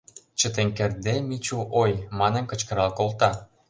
Чытен кертде, Мичу, ой! манын, кычкырал колта.